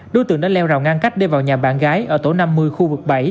đối tượng đã leo rào ngang cách đưa vào nhà bạn gái ở tổ năm mươi khu vực bảy